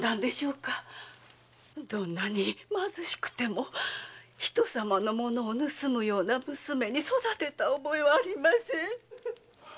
どんなに貧しくても人様の物を盗むような娘に育てた覚えはありません！